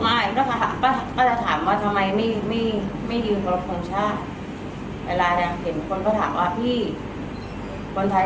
ไม่ป้าจะถามว่าทำไมไม่ยืนกรกฎงชาติเวลาเนี้ยเห็นคนก็ถามว่า